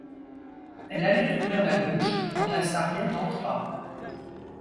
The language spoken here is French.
Elle allait ouvrir la bouche, quand la Sarriette entra.